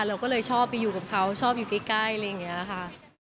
เราก็เลยชอบไปอยู่กับเขาชอบอยู่ใกล้อะไรอย่างนี้ค่ะ